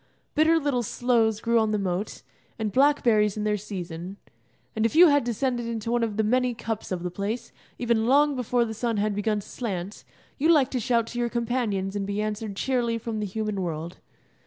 Bitter little sloes grew on the moat, and blackberries in their season; and if you had descended into one of the many cups of the place, even long before the sun had begun to slant, you liked to shout to your companions and be answered cheerily from the human world.